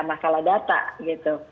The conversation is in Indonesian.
masalah data gitu